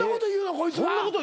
こいつが。